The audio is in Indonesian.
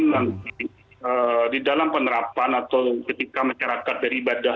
nanti di dalam penerapan atau ketika masyarakat beribadah